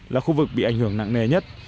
là khu vực bị ảnh hưởng nặng nề nhất